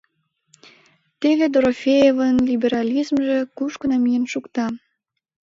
Теве Дорофеевын либерализмже кушко намиен шукта!